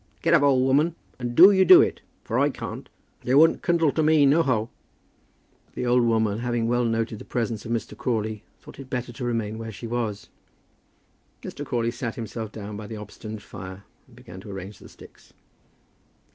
Get up, old woman, and do you do it, for I can't. They wun't kindle for me, nohow." But the old woman, having well noted the presence of Mr. Crawley, thought it better to remain where she was. Mr. Crawley sat himself down by the obstinate fire, and began to arrange the sticks.